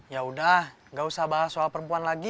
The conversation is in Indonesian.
yaudah gak usah bahas soal perempuan lagi